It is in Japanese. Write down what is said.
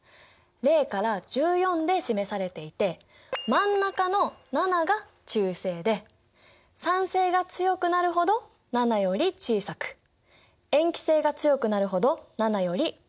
０から１４で示されていて真ん中の７が中性で酸性が強くなるほど７より小さく塩基性が強くなるほど７より大きくなるんだ。